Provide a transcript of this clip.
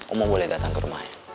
oma boleh datang ke rumahnya